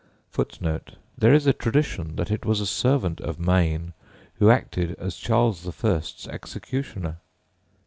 [Footnote 1: There is a tradition that it was a servant of Mayne who acted as Charles I.'s executioner.